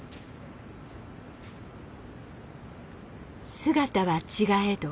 姿は違えど